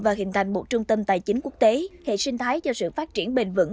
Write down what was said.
và hình thành một trung tâm tài chính quốc tế hệ sinh thái cho sự phát triển bền vững